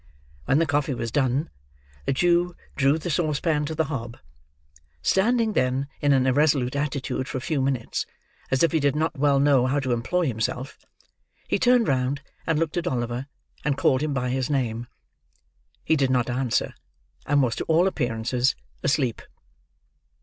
When the coffee was done, the Jew drew the saucepan to the hob. Standing, then in an irresolute attitude for a few minutes, as if he did not well know how to employ himself, he turned round and looked at Oliver, and called him by his name. He did not answer, and was to all appearances asleep.